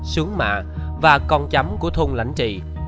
sướng mạ và con chấm của thôn lãnh trị